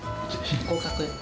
合格。